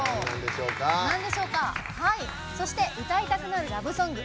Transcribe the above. そして歌いたくなるラブソング